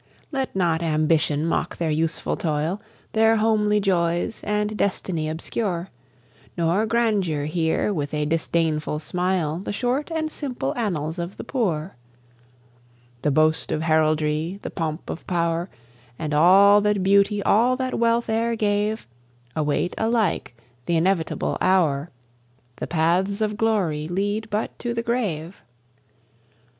Let not Ambition mock their useful toil, Their homely joys, and destiny obscure; Nor Grandeur hear with a disdainful smile, The short and simple annals of the Poor. The boast of heraldry, the pomp of pow'r, And all that beauty, all that wealth e'er gave, Await alike th' inevitable hour. The paths of glory lead but to the grave.